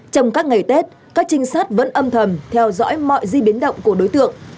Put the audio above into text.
trong các ngày tết các trinh sát vẫn âm thầm theo dõi mọi di biến động của đối tượng